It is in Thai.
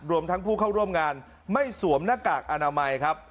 รวมทั้งผู้เข้าร่วมงานไม่สวมหน้ากากอนามัยครับ